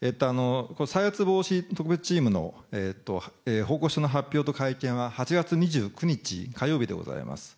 再発防止特別チームの報告書の発表と会見は８月２９日火曜日でございます。